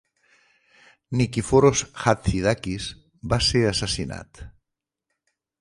Nikiforos Hatzidakis va ser assassinat.